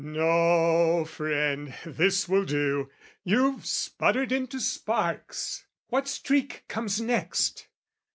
No, friend, this will do! You've sputtered into sparks. What streak comes next?